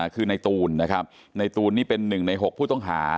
คือนายตูนนายตูนนี่เป็น๑ใน๖ผู้ต้องหา